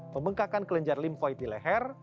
pembengkakan kelenjar limfoid di leher